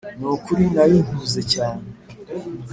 nukuri nari mpuze cyane?